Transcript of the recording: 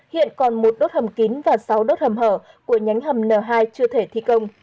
hiện còn một đốt hầm kín và sáu đốt hầm hở của nhánh hầm n hai chưa thể thi công